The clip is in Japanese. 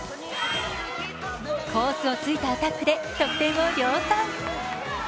コースをついたアタックで得点を量産。